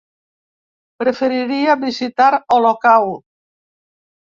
Preferiria visitar Olocau.